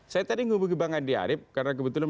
saya tadi hubungi bang andi arief karena kebetulan